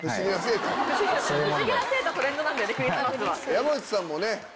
山内さんもね。